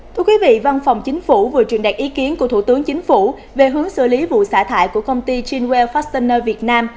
thưa quý vị văn phòng chính phủ vừa truyền đạt ý kiến của thủ tướng chính phủ về hướng xử lý vụ xả thải của công ty chinwell fastoner việt nam